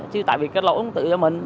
chứ tại vì cái lỗi tự do mình